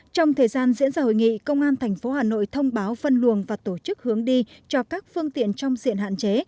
trong thời gian diễn ra hội nghị công an tp hà nội thông báo phân luồng và tổ chức hướng đi cho các phương tiện trong diện hạn chế